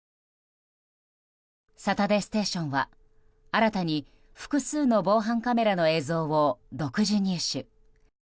「サタデーステーション」は新たに複数の防犯カメラの映像を独自入手。